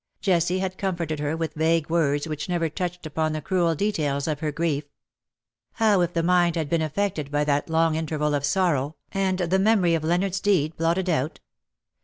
Jessie had comforted her with vague Avords which never touched upon the cruel details of her grief. How if the mind had been affected by that long interval of sorrow, and the memory of Leonard's deed blotted out